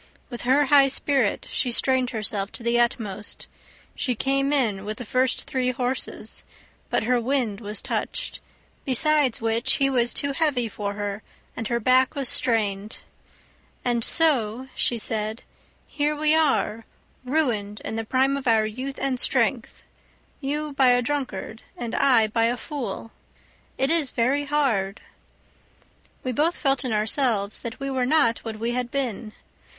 With her high spirit, she strained herself to the utmost; she came in with the first three horses, but her wind was touched, besides which he was too heavy for her, and her back was strained. "And so," she said, "here we are, ruined in the prime of our youth and strength, you by a drunkard, and I by a fool; it is very hard." We both felt in ourselves that we were not what we had been.